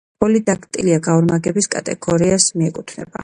პოლიდაქტილია გაორმაგების კატეგორიას მიეკუთვნება.